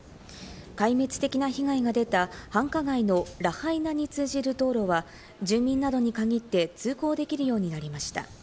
壊滅的な被害が出た繁華街のラハイナに通じる道路は住民などに限って通行できるようになりました。